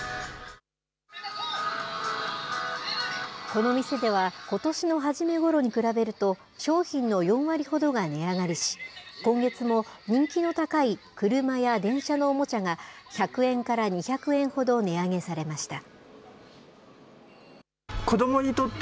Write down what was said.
この店では、ことしの初めごろに比べると、商品の４割ほどが値上がりし、今月も人気の高い車や電車のおもちゃが１００円から２００円ほど値上げされました。